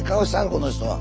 この人は。